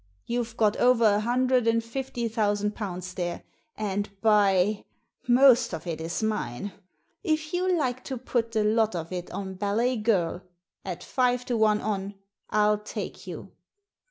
You've got over a hundred and fifty thousand pounds there, and by ! most of it's mine. If you like to put the lot of it on Ballet Girl, at five to one on, I'll take you."